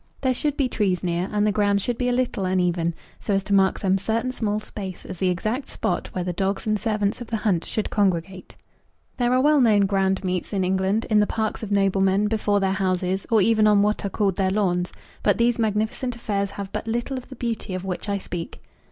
There should be trees near, and the ground should be a little uneven, so as to mark some certain small space as the exact spot where the dogs and servants of the hunt should congregate. There are well known grand meets in England, in the parks of noblemen, before their houses, or even on what are called their lawns; but these magnificent affairs have but little of the beauty of which I speak.